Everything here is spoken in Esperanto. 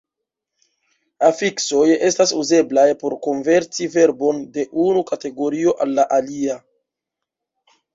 Afiksoj estas uzeblaj por konverti verbon de unu kategorio al la alia.